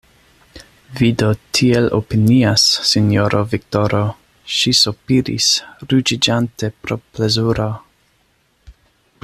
Vi do tiel opinias, sinjoro Viktoro, ŝi sopiris, ruĝiĝante pro plezuro.